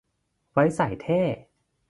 ไว้ใส่เท่